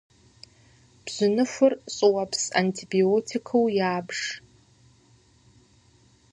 Бжьыныхур щӏыуэпс антибиотикыу ябж.